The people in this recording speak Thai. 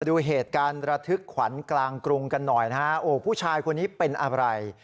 ดูเหตุการณ์ระทึกขวัญกลางกรุงกันหน่อยนะฮะโอ้ผู้ชายคนนี้เป็นอะไร